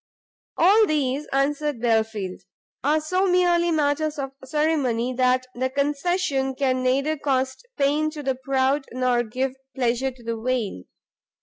"All these," answered Belfield, "are so merely matters of ceremony, that the concession can neither cost pain to the proud, nor give pleasure to the vain.